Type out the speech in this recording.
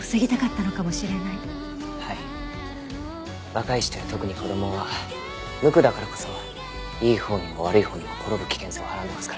若い人や特に子供は無垢だからこそいいほうにも悪いほうにも転ぶ危険性をはらんでますから。